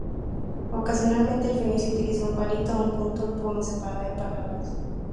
Ocasionalmente, el fenicio utilizó un palito o un punto como separador de palabras.